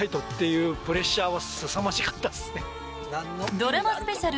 ドラマスペシャル